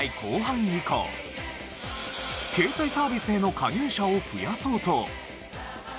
携帯サービスへの加入者を増やそうと。